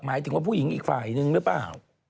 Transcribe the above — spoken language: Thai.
หมายถึงว่าผู้หญิงอีกฝ่ายนึงหรือเปล่า